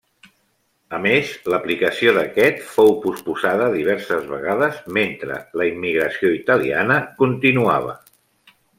A més, l'aplicació d'aquest fou posposada diverses vegades, mentre la immigració italiana continuava.